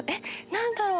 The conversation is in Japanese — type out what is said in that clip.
何だろう？」